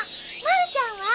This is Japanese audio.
まるちゃんは？